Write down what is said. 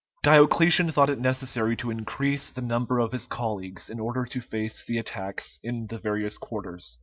Diocletian thought it necessary to increase the number of his colleagues in order to face the attacks in the various quarters.